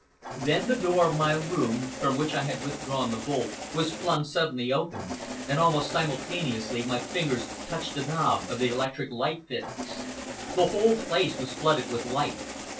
Then the door of my room, from which I had withdrawn the bolt, was flung suddenly open, and almost simultaneously my fingers touched the knob of the electric light fittings. The whole place was flooded with light.